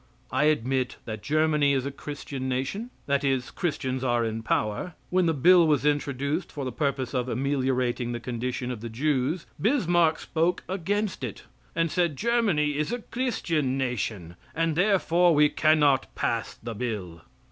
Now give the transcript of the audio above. I admit that Germany is a Christian nation; that is, Christians are in power. When the bill was introduced for the purpose of ameliorating the condition of the Jews, Bismark spoke against it, and said "Germany is a Christian nation, and therefore, we cannot pass the bill."